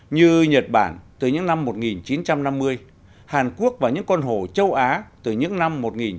như nhật bản từ những năm một nghìn chín trăm năm mươi hàn quốc và những con hồ châu á từ những năm một nghìn chín trăm bảy mươi